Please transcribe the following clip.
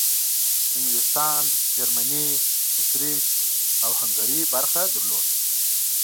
انګلستان، جرمني، اطریش او هنګري برخه درلوده.